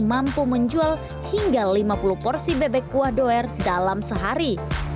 mampu menjual hingga lima puluh porsi bebek kuah doer dalam sehari